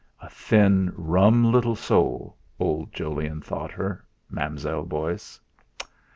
'A thin rum little soul,' old Jolyon thought her Mam'zelle Beauce.